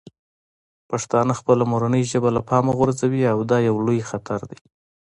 پښتانه خپله مورنۍ ژبه له پامه غورځوي او دا یو لوی خطر دی.